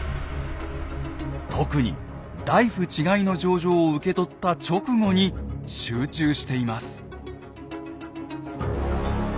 特に「内府ちかひの条々」を受け取った直後に集中しています。